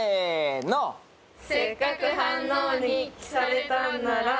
「せっかく飯能に来されたんなら」